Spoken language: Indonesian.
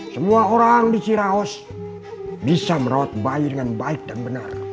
semua orang di ciraos bisa merawat bayi dengan baik dan benar